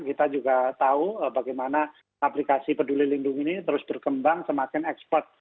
kita juga tahu bagaimana aplikasi peduli lindung ini terus berkembang semakin ekspert